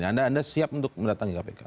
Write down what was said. anda siap untuk mendatangi kpk